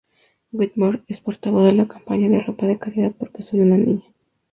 Whitmore es portavoz de la campaña de ropa de caridad Porque soy una niña.